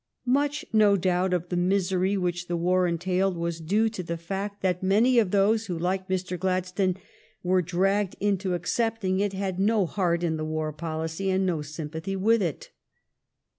Much, no doubt, of the misery which the war entailed was due to the fact that many of those who, like Mr. Gladstone, were dragged into accepting it had no heart in the war policy and no sympathy with it.